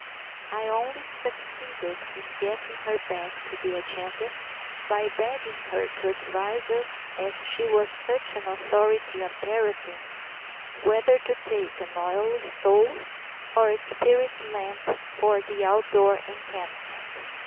I only succeeded in getting her back to the agenda, by begging her to advise us, as she was such an authority on paraffin, whether to take an oil stove or a spirit lamp for the outdoor encampment.